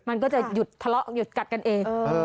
มันก็จะหยุดทะเลาะหยุดกัดกันเอง